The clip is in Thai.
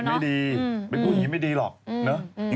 ไม่กูอย่างงี้ไม่ดีหรอกเนอะ